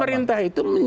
pemerintah itu meriksa